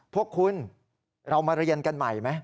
พวกคุณเรามาเรียนกันใหม่ไหม